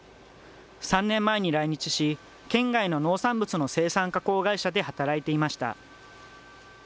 ３年前に来日し、県外の農産物の生産加工会社で働いていました。